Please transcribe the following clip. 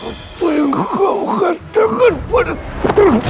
apa yang kau katakan pada dulu